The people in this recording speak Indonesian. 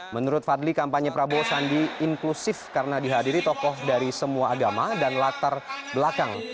menurut fadli kampanye prabowo sandi inklusif karena dihadiri tokoh dari semua agama dan latar belakang